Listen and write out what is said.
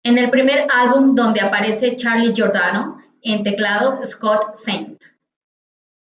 Es el primer álbum donde aparece Charlie Giordano en teclados, Scott St.